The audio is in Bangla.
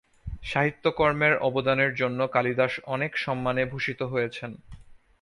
সাহিত্যকর্মের অবদানের জন্য কালিদাস অনেক সম্মানে ভূষিত হয়েছেন।